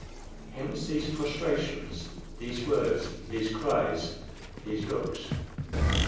Hence these prostrations, these words, these cries, these looks.